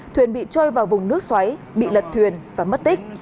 thuyền bị trôi vào vùng nước xoáy bị lật thuyền và mất tích